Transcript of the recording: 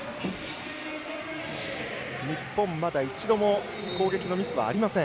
日本、まだ一度も攻撃のミスはありません。